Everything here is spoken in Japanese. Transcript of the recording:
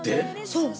そう。